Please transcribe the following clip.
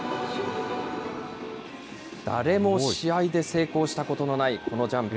誰も試合で成功したことのないこのジャンプ。